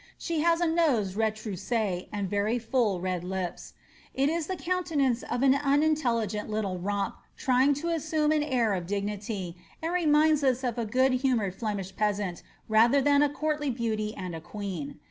She has a nose retrousse^ and very full red lips. It is the countenance "of an unintel lectual little romp trying to assume an air of dignity, and reminds us of a good humoured Flemish peasant rather than a courtly beauty and a queen.